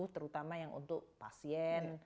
terutama yang untuk pasien